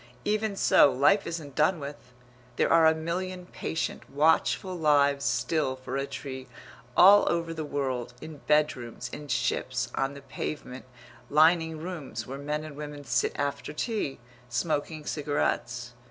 Even so, life isn't done with; there are a million patient, watchful lives still for a tree, all over the world, in bedrooms, in ships, on the pavement, lining rooms, where men and women sit after tea, smoking cigarettes.